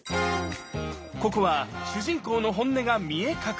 ここは主人公の本音が見え隠れ。